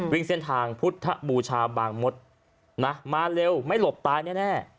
วิ่งเส้นทางพุทธบูชาบางมดนะมาเร็วไม่หลบตายแน่